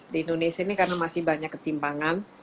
di indonesia ini karena masih banyak ketimpangan